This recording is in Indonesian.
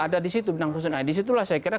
ada di situ benang kursutnya di situlah saya kira